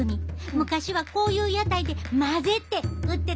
昔はこういう屋台でまぜて売ってたそうやで。